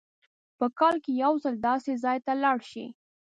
په کال کې یو ځل داسې ځای ته لاړ شئ.